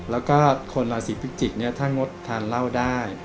แล้วก็คนราศีพิจิกถ้างดทานเหล้าได้